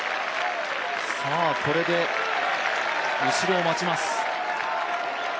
これで後ろを待ちます。